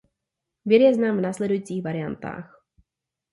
Vir je znám v následujících variantách.